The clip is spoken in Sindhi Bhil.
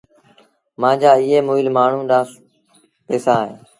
مآݩجآ ايٚئي مُئيٚل مآڻهوٚٚݩ ڏآݩهݩ پئيٚسآ اهيݩ